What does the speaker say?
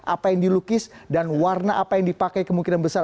apa yang dilukis dan warna apa yang dipakai kemungkinan besar